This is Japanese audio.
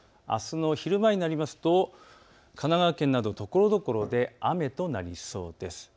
あすの昼前になりますと神奈川県などところどころで雨となりそうです。